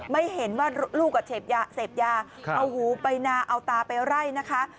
ไม่เห็นว่าลูกเสพยาเสพยาเอาหูไปนาเอาตาไปไล่นะคะ